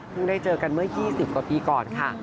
ได้เจอกันเมื่อ๒๐กว่าปีก่อนค่ะ